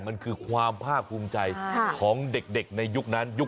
มันคือความภาคภูมิใจของเด็กในยุคนั้นยุค